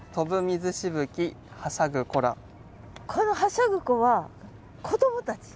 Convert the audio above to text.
この「はしゃぐ子」は子どもたち？